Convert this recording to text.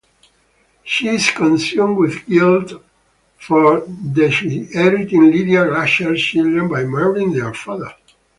She is consumed with guilt for disinheriting Lydia Glasher's children by marrying their father.